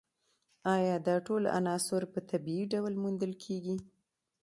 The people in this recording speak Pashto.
ایا دا ټول عناصر په طبیعي ډول موندل کیږي